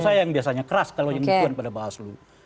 saya yang biasanya keras kalau yang dukungan pada bawaslu